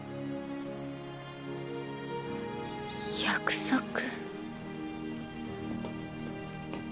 約束？